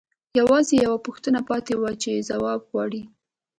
یوازې یوه پوښتنه پاتې وه چې ځواب غواړي